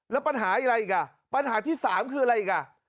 แล้วปัญหาอะไรอีกปัญหาที่สามคืออะไรอีก